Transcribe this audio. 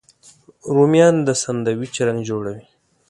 رومیان د ساندویچ رنګ جوړوي